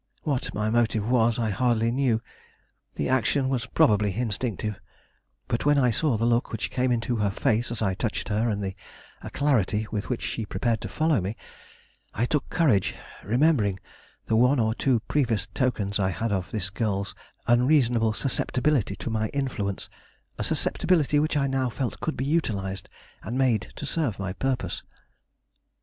What my motive was I hardly knew; the action was probably instinctive; but when I saw the look which came into her face as I touched her, and the alacrity with which she prepared to follow me, I took courage, remembering the one or two previous tokens I had had of this girl's unreasonable susceptibility to my influence; a susceptibility which I now felt could be utilized and made to serve my purpose.